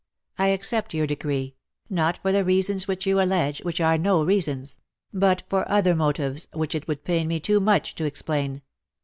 I accept your decree: not for the reasons which you allege, which are no reasons ; but for other motives which it would pain me too much to explain.